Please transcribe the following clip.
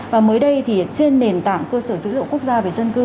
và mới đây thì trên nền tảng cơ sở dữ liệu quốc gia về dân cư